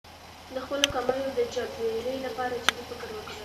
د خپلو کمیو د جبېرې لپاره جدي فکر وکړي.